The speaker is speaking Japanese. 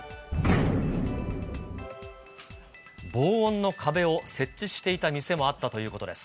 防音の壁を設置していた店もあったということです。